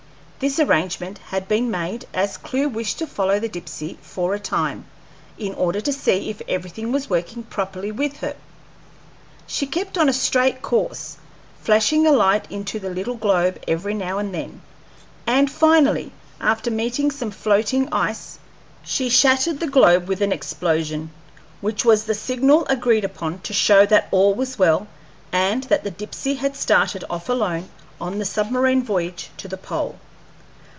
This arrangement had been made, as Clewe wished to follow the Dipsey for a time, in order to see if everything was working properly with her. She kept on a straight course, flashing a light into the little globe every now and then; and finally, after meeting some floating ice, she shattered the globe with an explosion, which was the signal agreed upon to show that all was well, and that the Dipsey had started off alone on the submarine voyage to the pole.